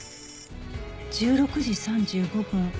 １６時３５分。